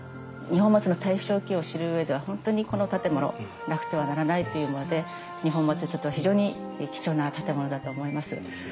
二本松の大正期を知る上では本当にこの建物なくてはならないというもので二本松にとっては非常に貴重な建物だと思います。